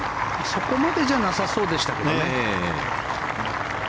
そこまでじゃなさそうでしたけどね。